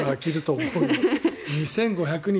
２５００日